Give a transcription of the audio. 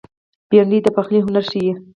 بېنډۍ د پخلي هنر ښيي